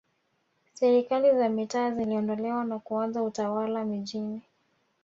Serikali za mitaa ziliondolewa na kuanza Utawala mijini